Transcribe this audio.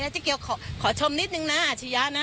เจ๊เกียวขอชมนิดนึงนะอาชียะนะ